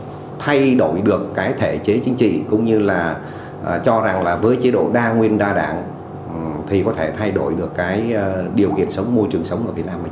có thể thay đổi được cái thể chế chính trị cũng như là cho rằng là với chế độ đa nguyên đa đảng thì có thể thay đổi được cái điều kiện sống môi trường sống của việt nam